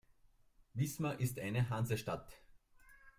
Wismar ist eine Hansestadt.